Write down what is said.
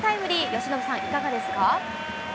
由伸さん、いかがですか？